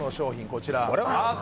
こちらね